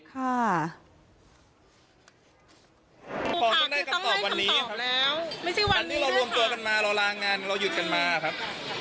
ผู้ปกครองก็ได้คำตอบวันนี้วันนี้เรารวมตัวกันมาเรารางงานเราหยุดกันมาครับ